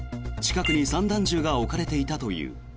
近くに散弾銃が置かれていたという。